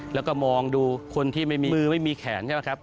แล้วก็มองดูคนที่ไม่มีมือไม่มีแขนใช่ไหมครับ